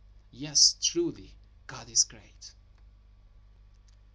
Yes, truly, God is great."